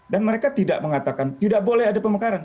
mereka tidak mengatakan tidak boleh ada pemekaran